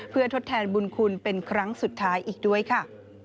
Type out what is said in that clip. เพื่อทดแทนบุญคุณเป็นครั้งสุดท้ายอีกด้วยค่ะ